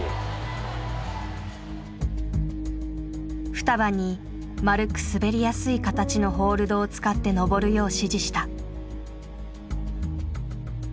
ふたばに丸く滑りやすい形のホールドを使って登るよう指示した。